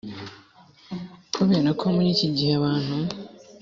Kubera ko muri iki gihe abantu